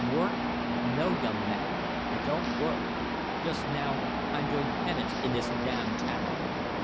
Work! No, young man, I don't work. Just now, I'm doing penance in this damned town.